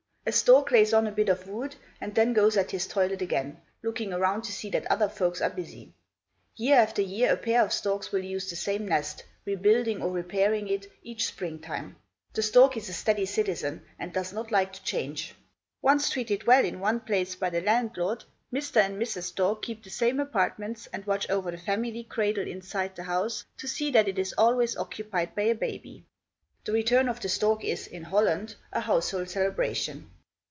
A stork lays on a bit of wood, and then goes at his toilet again, looking around to see that other folks are busy. Year after year, a pair of storks will use the same nest, rebuilding, or repairing it, each spring time. The stork is a steady citizen and does not like to change. Once treated well in one place, by the landlord, Mr. and Mrs. Stork keep the same apartments and watch over the family cradle inside the house, to see that it is always occupied by a baby. The return of the stork is, in Holland, a household celebration.